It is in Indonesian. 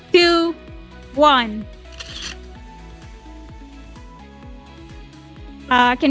pukul tiga dua satu